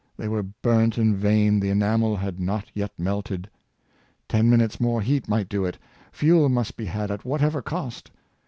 They were burnt in vain! The enamel had not yet melted. Ten minutes more heat might do it. Fuel must be had at whatever cost.